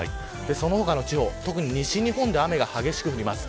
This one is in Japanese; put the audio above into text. その他の地方西日本で雨が激しく降ります。